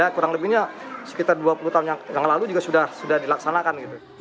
kurang lebihnya sekitar dua puluh tahun yang lalu juga sudah dilaksanakan